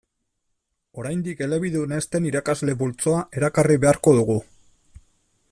Oraindik elebidun ez den irakasle multzoa erakarri beharko dugu.